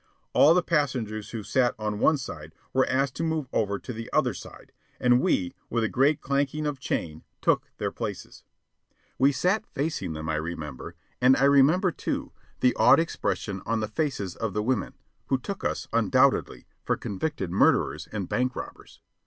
All the passengers who sat on one side were asked to move over to the other side, and we, with a great clanking of chain, took their places. We sat facing them, I remember, and I remember, too, the awed expression on the faces of the women, who took us, undoubtedly, for convicted murderers and bank robbers.